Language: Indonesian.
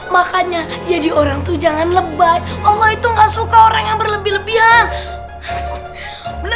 makanya jadi orang tuh jangan lebay allah itu gak suka orang yang berlebih lebihan